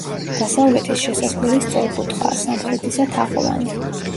დასავლეთის შესასვლელი სწორკუთხაა, სამხრეთისა თაღოვანი.